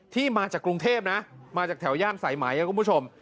มาจากกรุงเทพนะมาจากแถวย่านสายไหมครับคุณผู้ชม